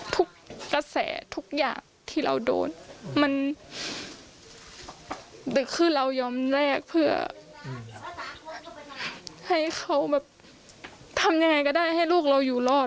ทุกกระแสทุกอย่างที่เราโดนมันดึกคือเรายอมแลกเพื่อให้เขาแบบทำยังไงก็ได้ให้ลูกเราอยู่รอด